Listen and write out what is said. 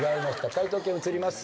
解答権移ります。